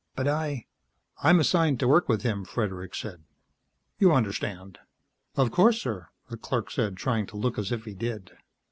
"But I " "I'm assigned to work with him," Fredericks said. "You understand." "Of course, sir," the clerk said, trying to look as if he did.